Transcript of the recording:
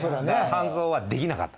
半蔵はできなかった。